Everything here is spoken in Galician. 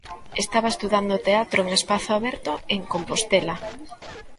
Estaba estudando teatro en Espazo Aberto, en Compostela.